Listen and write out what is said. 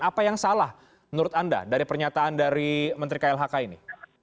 apa yang salah menurut anda dari pernyataan dari menteri klhk ini